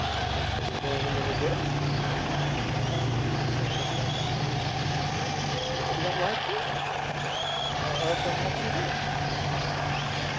"Is it doing him any good?" "Well " Mrs. Ennis looked up with a laugh. "You don't like him? Or perhaps you do?"